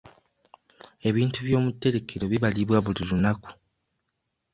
Ebintu by'omutterekero bibalibwa buli lunaku.